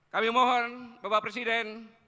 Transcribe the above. kami mohon bapak presiden